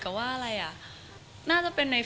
เข้าใจผิด